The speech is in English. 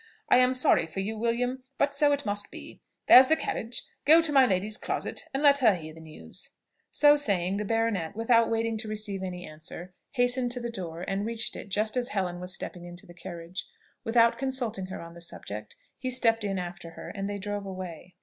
I am sorry for you, William; but so it must be. There's the carriage; go to my lady's closet, and let her hear the news." So saying, the baronet, without waiting to receive any answer, hastened to the door, and reached it just as Helen was stepping into the carriage. Without consulting her on the subject, he stepped in after her, and they drove away.